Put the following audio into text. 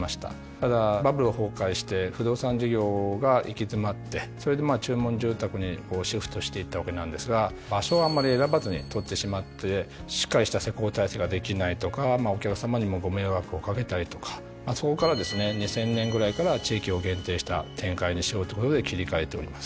ただバブル崩壊して不動産事業が行き詰まってそれでまあ注文住宅にシフトしていったわけなんですが場所をあんまり選ばずに取ってしまってしっかりした施工体制ができないとかお客さまにもご迷惑を掛けたりとかそこからですね２０００年ぐらいから地域を限定した展開にしようってことで切り替えております。